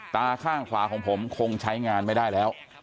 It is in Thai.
ตาข้างขวาของผมคงใช้งานไม่ได้แล้ว